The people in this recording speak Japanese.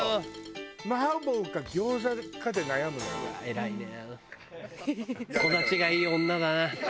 偉いね。